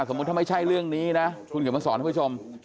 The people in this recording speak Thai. สมมุติถ้าไม่ใช่เรื่องนี้นะคุณเขียนมาสอนให้ผู้ชม